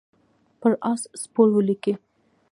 پر آس سپور ولیکئ.